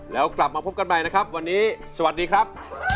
แล้วกลับมาพบกันใหม่นะครับวันนี้สวัสดีครับ